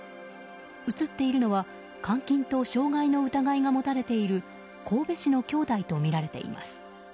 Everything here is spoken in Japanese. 映っているのは、監禁と傷害の疑いが持たれている神戸市のきょうだいとみられています。